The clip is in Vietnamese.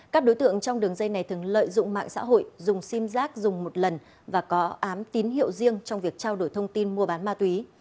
các đối tượng trong đường dây này thường lợi dụng mạng xã hội dùng sim giác dùng một lần và có ám tín hiệu riêng trong việc trao đổi thông tin mua bán ma túy